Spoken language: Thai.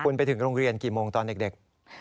คุณไปถึงโรงเรียนกี่โมงตอนเด็ก